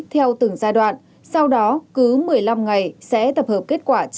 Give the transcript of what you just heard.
theo từng giai đoạn sau đó cứ một mươi năm ngày sẽ tập hợp kết quả